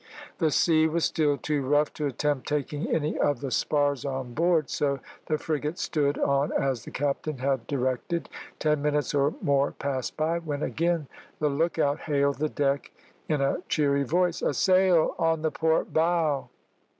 The sea was still too rough to attempt taking any of the spars on board, so the frigate stood on as the captain had directed. Ten minutes or more passed by, when again the look out hailed the deck in a cheery voice, "A sail on the port bow!"